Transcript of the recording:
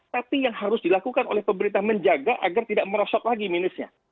tapi yang harus dilakukan oleh pemerintah menjaga agar tidak merosot lagi minusnya